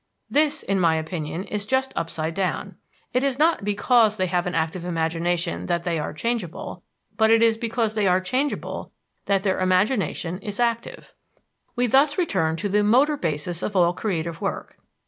This, in my opinion, is just upside down. _It is not because they have an active imagination that they are changeable, but it is because they are changeable that their imagination is active._ We thus return to the motor basis of all creative work.